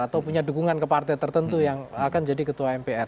atau punya dukungan ke partai tertentu yang akan jadi ketua mpr